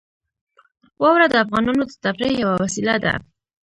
واوره د افغانانو د تفریح یوه وسیله ده.